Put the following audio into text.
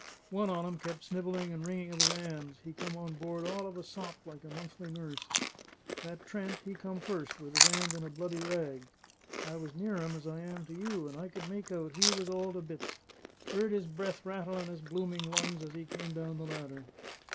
One on 'em kep' snivelling and wringing of his 'ands; he come on board all of a sop like a monthly nurse. That Trent, he come first, with his 'and in a bloody rag. I was near 'em as I am to you; and I could make out he was all to bits 'eard his breath rattle in his blooming lungs as he come down the ladder.